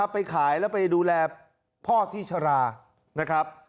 ไปขายแล้วไปดูแลพ่อที่ชรานะครับ